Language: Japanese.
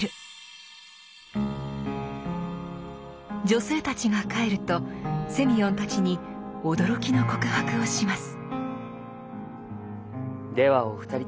女性たちが帰るとセミヨンたちに驚きの告白をします。